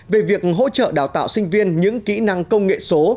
về việc hỗ trợ đào tạo sinh viên những kỹ năng công nghệ số